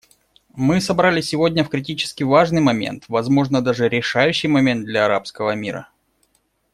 Мы собрались сегодня в критически важный момент — возможно, даже решающий момент — для арабского мира.